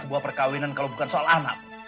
buah perkahwinan kalau bukan soal anak